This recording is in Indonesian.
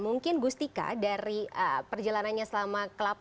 mungkin gustika dari perjalanannya selama ke dua tahun ini